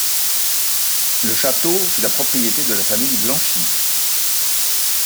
Le château fut la propriété de la famille Blanchy.